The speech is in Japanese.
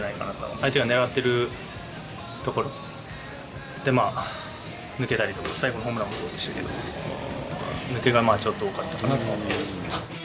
相手がねらっている所で抜けたりとか、最後のホームランもそうでしたけど、抜け球がちょっと多かったかなと思います。